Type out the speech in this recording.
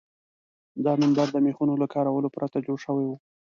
دا منبر د میخونو له کارولو پرته جوړ شوی و.